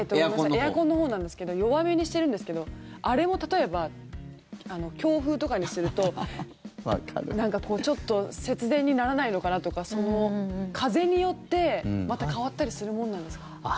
エアコンのほうなんですが弱めにしてるんですけどあれも例えば強風とかにするとちょっと節電にならないのかなとか風によって、また変わったりするものなんですか？